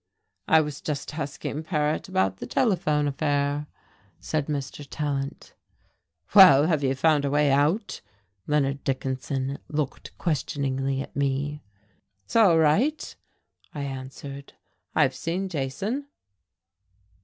"I was just asking Paret about the telephone affair," said Mr. Tallant. "Well, have you found a way out?" Leonard Dickinson looked questioningly at me. "It's all right," I answered. "I've seen Jason."